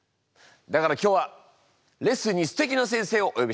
だから今日はレッスンにすてきな先生をおよびした。